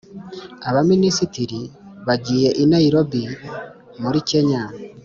Abaminisitiri bagiye i Nairobi muri Kenya